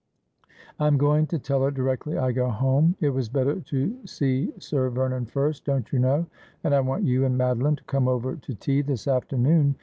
' I am going to teU her directly I go home. It was better to see Sir Vernon first, don't you know. And I want you and Madeline to come over to tea this afternoon.